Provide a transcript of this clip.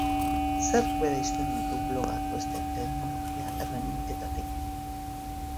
Zerk bereizten ditu blogak beste teknologia erremintetatik?